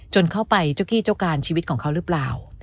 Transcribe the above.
เข้าไปเจ้าที่เจ้าการชีวิตของเขาหรือเปล่า